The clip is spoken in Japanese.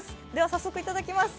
早速いただきます。